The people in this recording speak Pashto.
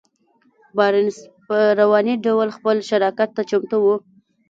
بارنس په رواني ډول خپل شراکت ته چمتو و.